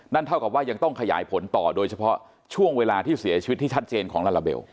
เท่ากับว่ายังต้องขยายผลต่อโดยเฉพาะช่วงเวลาที่เสียชีวิตที่ชัดเจนของลาลาเบล